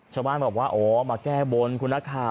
ชาวบ้านแบบว่าโอ้มาแก้บลคุณนักขาพ